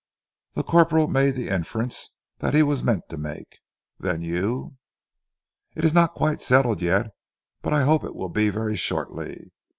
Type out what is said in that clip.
The corporal made the inference that he was meant to make. "Then you " "It is not quite settled yet, but I hope it will be very shortly.